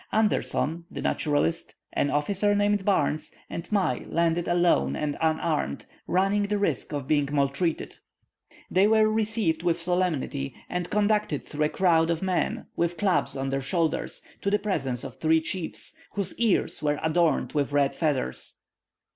Anderson, the naturalist, an officer named Barnes, and Mai landed alone and unarmed, running the risk of being maltreated. They were received with solemnity, and conducted through a crowd of men, with clubs on their shoulders, to the presence of three chiefs, whose ears were adorned with red feathers.